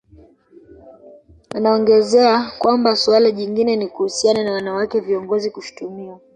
Anaongezea kwamba suala jingine ni kuhusiana na wanawake viongozi kushtumiwa